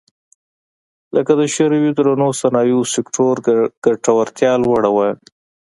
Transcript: لکه د شوروي درنو صنایعو سکتور ګټورتیا لوړه وه